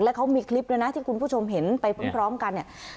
แล้วเขามีคลิปด้วยนะที่คุณผู้ชมเห็นไปพร้อมกันเนี่ย